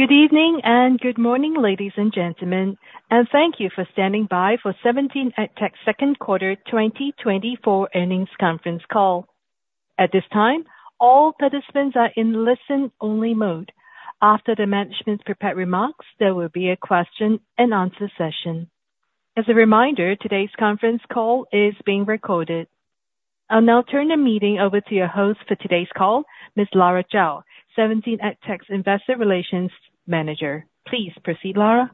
Good evening and good morning, ladies and gentlemen, and thank you for standing by for 17EdTech's second quarter 2024 earnings conference call. At this time, all participants are in listen-only mode. After the management's prepared remarks, there will be a question and answer session. As a reminder, today's conference call is being recorded. I'll now turn the meeting over to your host for today's call, Ms. Lara Zhao, 17EdTech's Investor Relations Manager. Please proceed, Lara.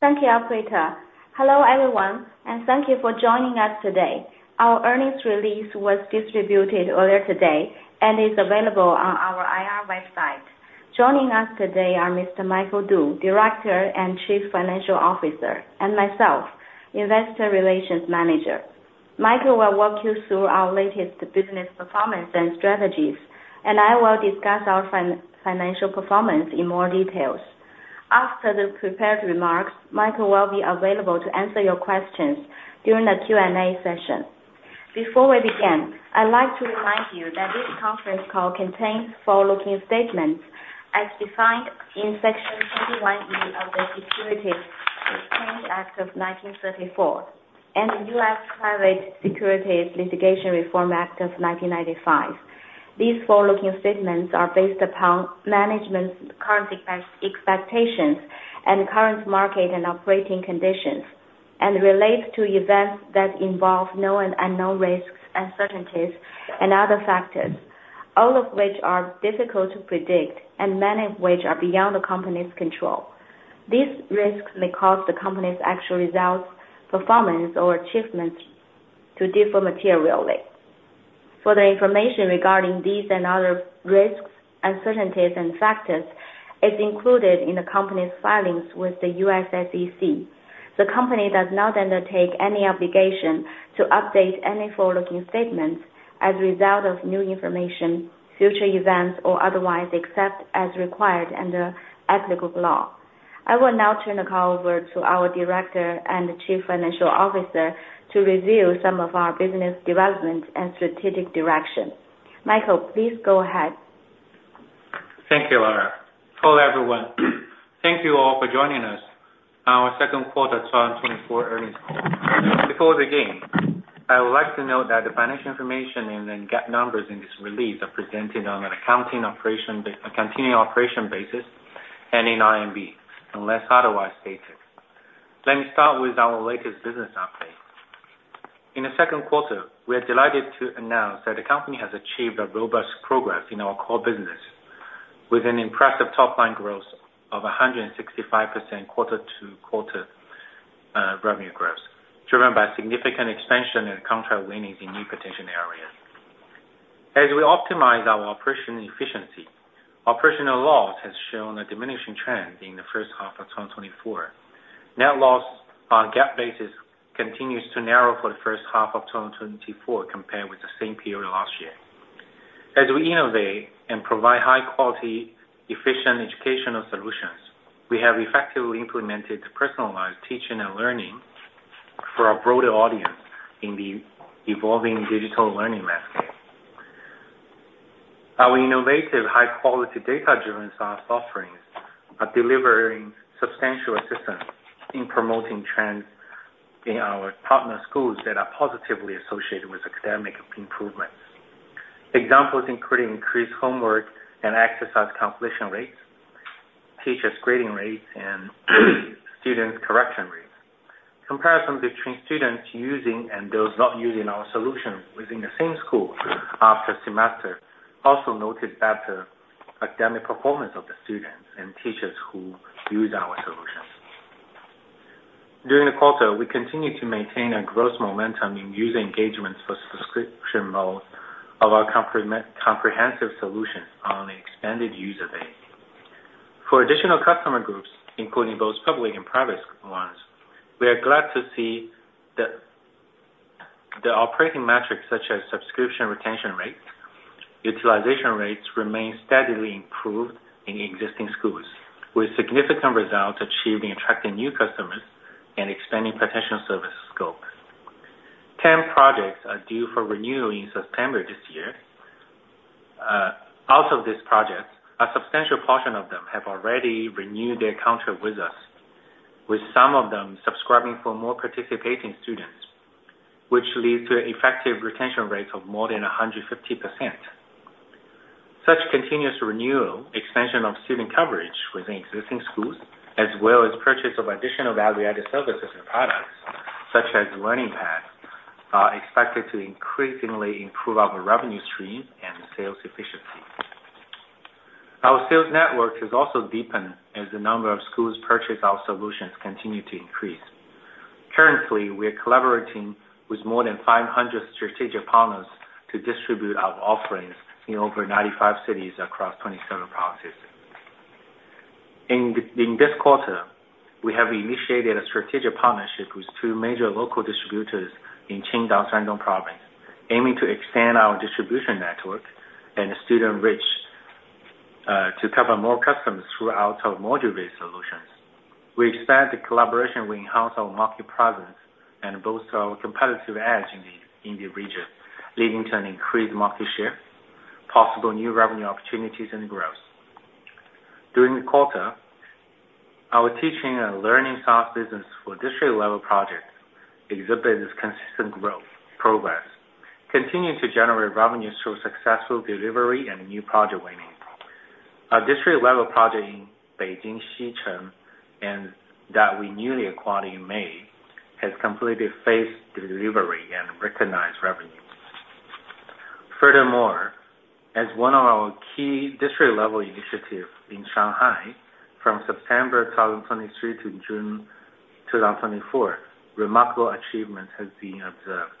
Thank you, Operator. Hello, everyone, and thank you for joining us today. Our earnings release was distributed earlier today and is available on our IR website. Joining us today are Mr. Michael Du, Director and Chief Financial Officer, and myself, Investor Relations Manager. Michael will walk you through our latest business performance and strategies, and I will discuss our financial performance in more details. After the prepared remarks, Michael will be available to answer your questions during the Q&A session. Before we begin, I'd like to remind you that this conference call contains forward-looking statements as defined in Section 21E of the Securities Exchange Act of 1934, and the U.S. Private Securities Litigation Reform Act of 1995. These forward-looking statements are based upon management's current expectations and current market and operating conditions, and relates to events that involve known and unknown risks, uncertainties, and other factors, all of which are difficult to predict and many of which are beyond the company's control. These risks may cause the company's actual results, performance or achievements to differ materially. Further information regarding these and other risks, uncertainties and factors is included in the company's filings with the U.S. SEC. The company does not undertake any obligation to update any forward-looking statements as a result of new information, future events, or otherwise, except as required under applicable law. I will now turn the call over to our Director and Chief Financial Officer to review some of our business development and strategic direction. Michael, please go ahead. Thank you, Lara. Hello, everyone. Thank you all for joining us on our second quarter 2024 earnings call. Before we begin, I would like to note that the financial information and the GAAP numbers in this release are presented on a continuing operations basis and in RMB, unless otherwise stated. Let me start with our latest business update. In the second quarter, we are delighted to announce that the company has achieved a robust progress in our core business, with an impressive top line growth of 165% quarter-to-quarter, revenue growth, driven by significant expansion and contract winnings in new potential areas. As we optimize our operational efficiency, operational loss has shown a diminishing trend in the first half of 2024. Net loss on GAAP basis continues to narrow for the first half of 2024, compared with the same period last year. As we innovate and provide high-quality, efficient educational solutions, we have effectively implemented personalized teaching and learning for a broader audience in the evolving digital learning landscape. Our innovative, high-quality, data-driven SaaS offerings are delivering substantial assistance in promoting trends in our partner schools that are positively associated with academic improvements. Examples include increased homework and exercise completion rates, teachers grading rates, and student correction rates. Comparison between students using and those not using our solutions within the same school after semester also noted better academic performance of the students and teachers who use our solutions. During the quarter, we continued to maintain a growth momentum in user engagements for subscription modes of our comprehensive solutions on the expanded user base. For additional customer groups, including both public and private ones, we are glad to see the operating metrics such as subscription retention rates, utilization rates, remain steadily improved in existing schools, with significant results achieving attracting new customers and expanding potential service scope. 10 projects are due for renewal in September this year. Out of these projects, a substantial portion of them have already renewed their contract with us, with some of them subscribing for more participating students, which leads to effective retention rates of more than 150%. Such continuous renewal, extension of student coverage within existing schools, as well as purchase of additional value-added services and products, such as learning pads, are expected to increasingly improve our revenue stream and sales efficiency. Our sales network has also deepened as the number of schools purchase our solutions continue to increase. Currently, we are collaborating with more than 500 strategic partners to distribute our offerings in over 95 cities across 27 provinces. In this quarter, we have initiated a strategic partnership with two major local distributors in Qingdao, Shandong Province, aiming to expand our distribution network and student reach to cover more customers through our module-based solution. We expect the collaboration will enhance our market presence and boost our competitive edge in the region, leading to an increased market share, possible new revenue opportunities, and growth. During the quarter, our teaching and learning software business for district level project exhibited this consistent growth progress, continuing to generate revenues through successful delivery and new project winning. Our district level project in Beijing, Xicheng, and that we newly acquired in May, has facilitated delivery and recognized revenues. Furthermore, as one of our key district level initiatives in Shanghai, from September 2023 to June 2024, remarkable achievement has been observed.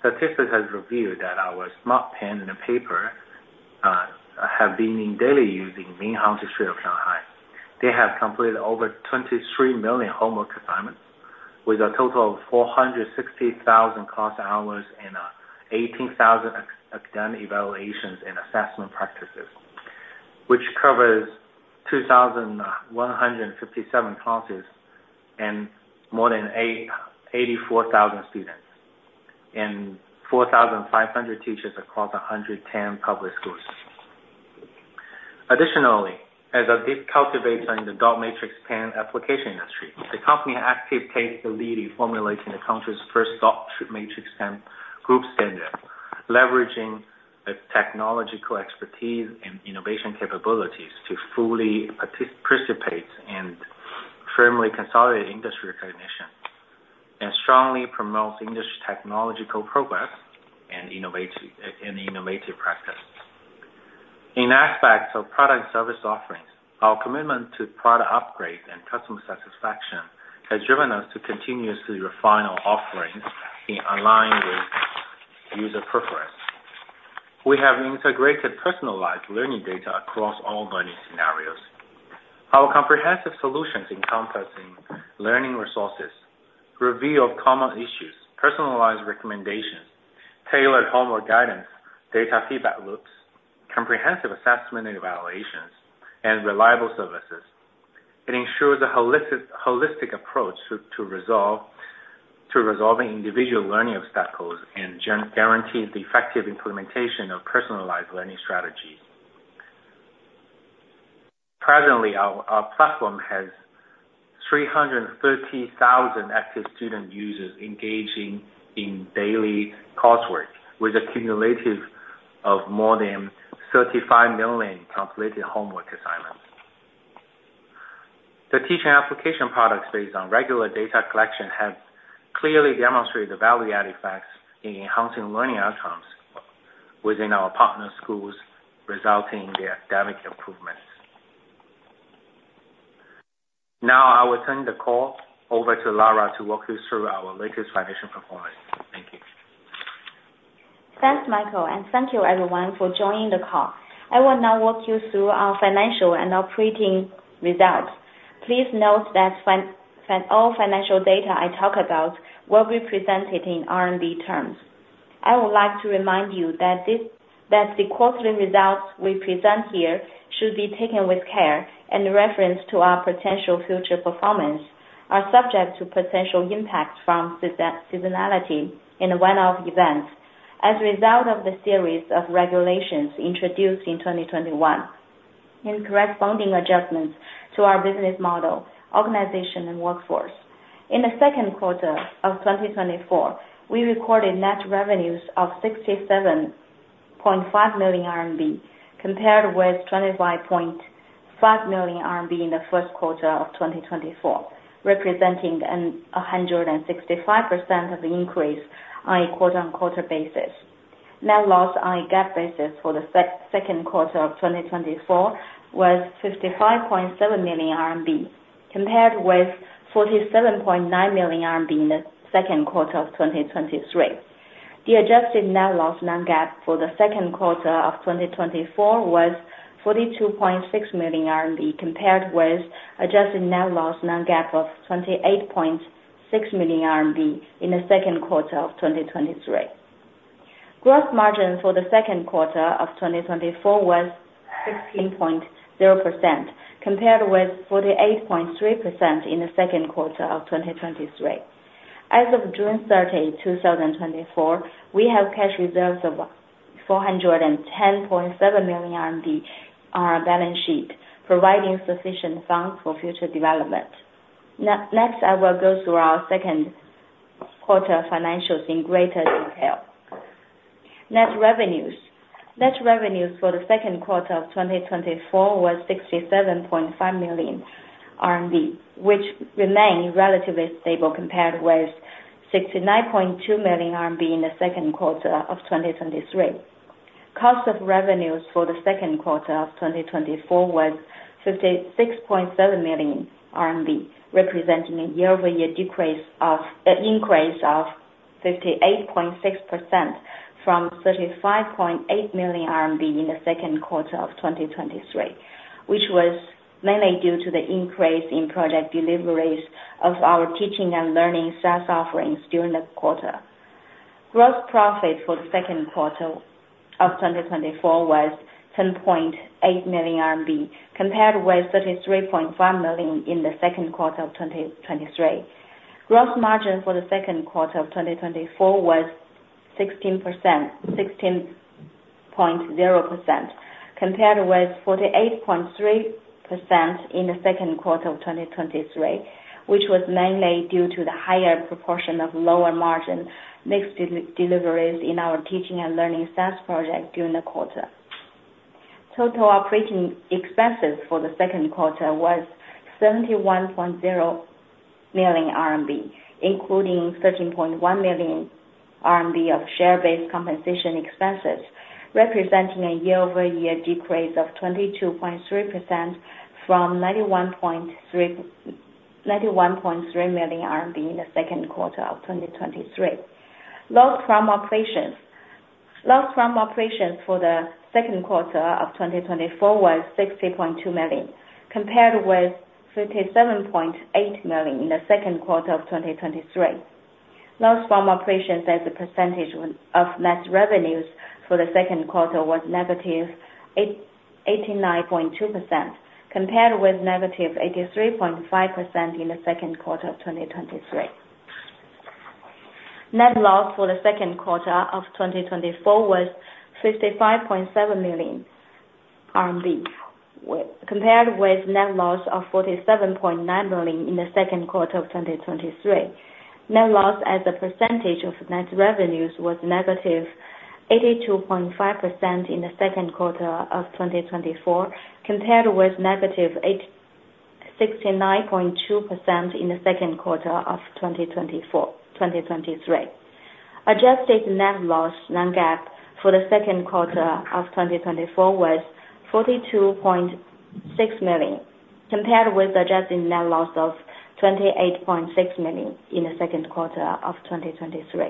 Statistics has revealed that our smart pen and paper have been in daily use in Minhang District of Shanghai. They have completed over 23 million homework assignments, with a total of 460,000 class hours and 18,000 academic evaluations and assessment practices. Which covers 2,157 classes and more than 84,000 students and 4,500 teachers across 110 public schools. Additionally, as a deep cultivator in the dot matrix pen application industry, the company actively takes the lead in formulating the country's first dot matrix pen group standard. Leveraging the technological expertise and innovation capabilities to fully participate and firmly consolidate industry recognition, and strongly promote industry technological progress and innovation, and innovative practices. In aspects of product service offerings, our commitment to product upgrade and customer satisfaction has driven us to continuously refine our offerings in alignment with user preference. We have integrated personalized learning data across all learning scenarios. Our comprehensive solutions encompassing learning resources, review of common issues, personalized recommendations, tailored homework guidance, data feedback loops, comprehensive assessment and evaluations, and reliable services. It ensures a holistic approach to resolving individual learning obstacles and guarantees the effective implementation of personalized learning strategies. Presently, our platform has 330,000 active student users engaging in daily coursework, with a cumulative of more than 35 million completed homework assignments. The teaching application products based on regular data collection have clearly demonstrated the value-add effects in enhancing learning outcomes within our partner schools, resulting in the academic improvements. Now, I will turn the call over to Lara to walk you through our latest financial performance. Thank you. Thanks, Michael, and thank you everyone for joining the call. I will now walk you through our financial and operating results. Please note that all financial data I talk about will be presented in RMB terms. I would like to remind you that the quarterly results we present here should be taken with care and reference to our potential future performance are subject to potential impacts from seasonality and one-off events. As a result of the series of regulations introduced in 2021, and corresponding adjustments to our business model, organization, and workforce. In the second quarter of 2024, we recorded net revenues of 67.5 million RMB, compared with 25.5 million RMB in the first quarter of 2024, representing a 165% increase on a quarter-on-quarter basis. Net loss on a GAAP basis for the second quarter of 2024 was 55.7 million RMB, compared with 47.9 million RMB in the second quarter of 2023. The adjusted net loss non-GAAP for the second quarter of 2024 was 42.6 million RMB, compared with adjusted net loss non-GAAP of 28.6 million RMB in the second quarter of 2023. Gross margin for the second quarter of 2024 was 16.0%, compared with 48.3% in the second quarter of 2023. As of June 30, 2024, we have cash reserves of 410.7 million RMB on our balance sheet, providing sufficient funds for future development. Next, I will go through our second quarter financials in greater detail. Net revenues. Net revenues for the second quarter of 2024 was 67.5 million RMB, which remained relatively stable compared with 69.2 million RMB in the second quarter of 2023. Cost of revenues for the second quarter of 2024 was 56.7 million RMB, representing a year-over-year increase of 58.6% from 35.8 million RMB in the second quarter of 2023, which was mainly due to the increase in project deliveries of our teaching and learning SaaS offerings during the quarter. Gross profit for the second quarter of 2024 was 10.8 million RMB, compared with 33.5 million in the second quarter of 2023. Gross margin for the second quarter of 2024 was 16%, 16.0%, compared with 48.3% in the second quarter of 2023, which was mainly due to the higher proportion of lower margin mixed deliveries in our teaching and learning SaaS project during the quarter. Total operating expenses for the second quarter was 71.0 million RMB, including 13.1 million RMB of share-based compensation expenses, representing a year-over-year decrease of 22.3% from 91.3, 91.3 million RMB in the second quarter of 2023. Loss from operations. Loss from operations for the second quarter of 2024 was 60.2 million, compared with 57.8 million in the second quarter of 2023. Loss from operations as a percentage of net revenues for the second quarter was -89.2%, compared with -83.5% in the second quarter of 2023. Net loss for the second quarter of 2024 was 55.7 million RMB, compared with net loss of 47.9 million in the second quarter of 2023. Net loss as a percentage of net revenues was -82.5% in the second quarter of 2024, compared with -89.2% in the second quarter of 2023. Adjusted net loss non-GAAP for the second quarter of 2024 was 42.6 million, compared with adjusted net loss of 28.6 million in the second quarter of 2023.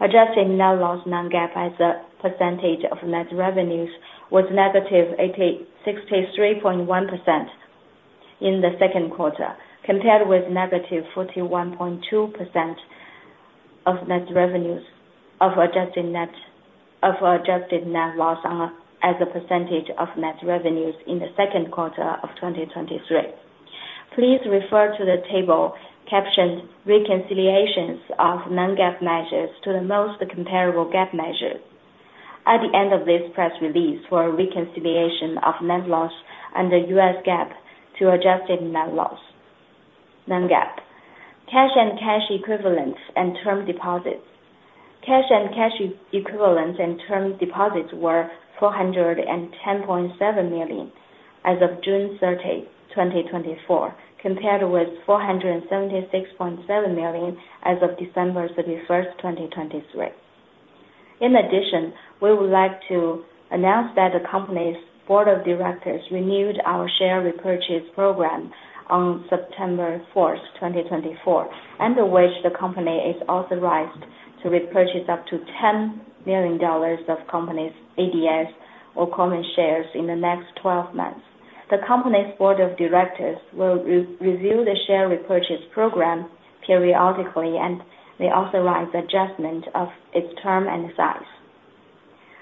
Adjusted net loss non-GAAP as a percentage of net revenues was -86.1% in the second quarter, compared with -41.2% of net revenues of adjusted net loss as a percentage of net revenues in the second quarter of 2023. Please refer to the table captioned "Reconciliations of Non-GAAP Measures to the Most Comparable GAAP Measure" at the end of this press release for a reconciliation of net loss under U.S. GAAP to adjusted net loss non-GAAP. Cash and cash equivalents and term deposits were 410.7 million as of June thirtieth, 2024, compared with 476.7 million as of December 31st, 2023. In addition, we would like to announce that the company's board of directors renewed our share repurchase program on September fourth, 2024, under which the company is authorized to repurchase up to $10 million of the company's ADS or common shares in the next 12 months. The company's board of directors will review the share repurchase program periodically, and may authorize adjustment of its term and size.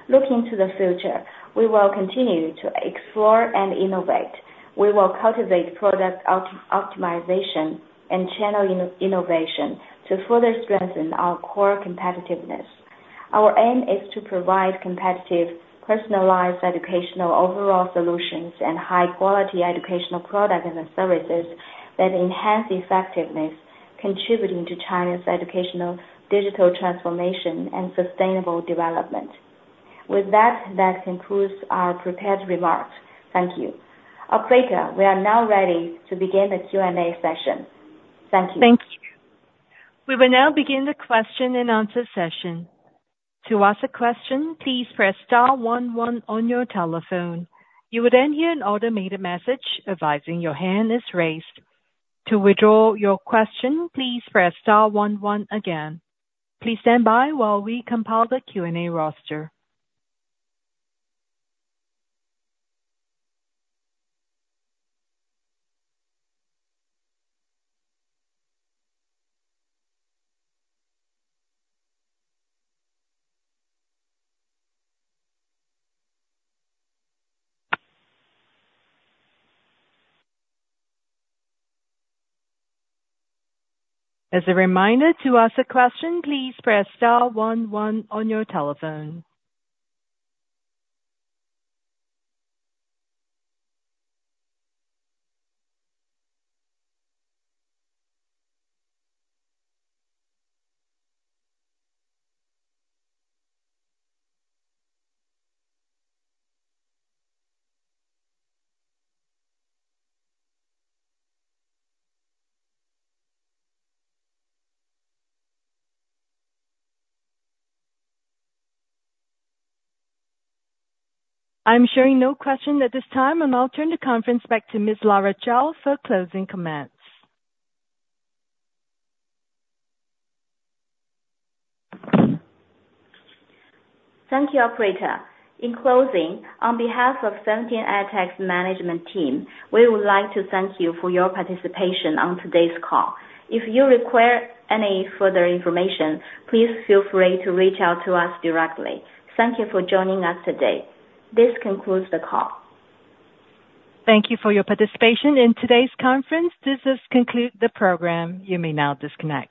Looking to the future, we will continue to explore and innovate. We will cultivate product optimization and channel innovation to further strengthen our core competitiveness. Our aim is to provide competitive, personalized educational overall solutions and high quality educational products and services that enhance effectiveness, contributing to China's educational digital transformation and sustainable development. With that, that concludes our prepared remarks. Thank you. Operator, we are now ready to begin the Q&A session. Thank you. Thank you. We will now begin the question and answer session. To ask a question, please press star one one on your telephone. You will then hear an automated message advising your hand is raised. To withdraw your question, please press star one one again. Please stand by while we compile the Q&A roster. As a reminder, to ask a question, please press star one one on your telephone. I'm showing no questions at this time, and I'll turn the conference back to Ms. Lara Zhao for closing comments. Thank you, Operator. In closing, on behalf of 17EdTech's management team, we would like to thank you for your participation on today's call. If you require any further information, please feel free to reach out to us directly. Thank you for joining us today. This concludes the call. Thank you for your participation in today's conference. This does conclude the program. You may now disconnect.